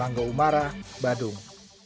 langga umara badung